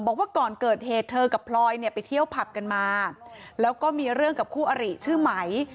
บอกว่าก่อนเกิดเหตุเธอกับพลอยเนี่ยไปเที่ยวผับกันมาแล้วก็มีเรื่องกับคู่อริชื่อไหม